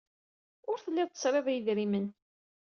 Ur telliḍ tesriḍ i yedrimen.